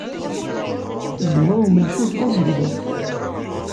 Ddwa umencuf d azegḍuf.